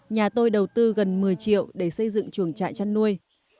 nhà tôi đầu tư gần một mươi triệu để xây dựng chuồng trại chăn nuôi